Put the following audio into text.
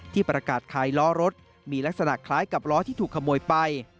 ประกาศขายล้อรถมีลักษณะคล้ายกับล้อที่ถูกขโมยไป